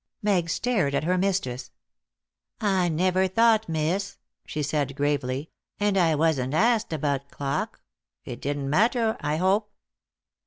Meg stared at her mistress. "I never thought, miss," she said gravely; "and I wasn't asked about clock. It didn't matter, I hope?"